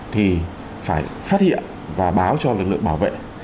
thì phải phát hiện và báo cho lực lượng bảo vệ